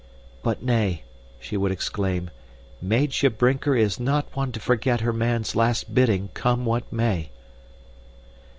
"But nay," she would exclaim, "Meitje Brinker is not one to forget her man's last bidding, come what may."